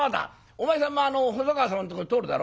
お前さんもあの細川様のとこ通るだろ？